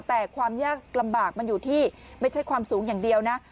แต่ความยากลำบากมันอยู่ที่ไม่ใช่ความสูงอย่างเดียวนะ